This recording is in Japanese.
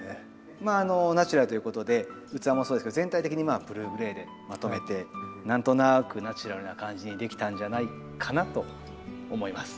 まあナチュラルということで器もそうですけど全体的にブルーグレイでまとめて何となくナチュラルな感じにできたんじゃないかなと思います。